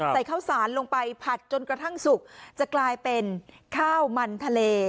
ใส่ข้าวสารลงไปผัดจนกระทั่งสุกจะกลายเป็นข้าวมันทะเล